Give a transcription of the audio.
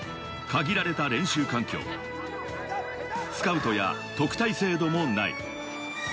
限られた練習環境、スカウトや特待制度もない。